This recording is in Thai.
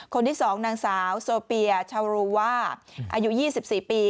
คนที่๒นางสาวโซเปียชาวรูว่าอายุ๒๔ปี